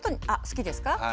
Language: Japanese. あ好きですか？